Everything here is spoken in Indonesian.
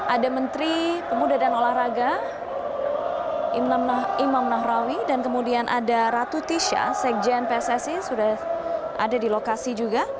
ada menteri pemuda dan olahraga imam nahrawi dan kemudian ada ratu tisha sekjen pssi sudah ada di lokasi juga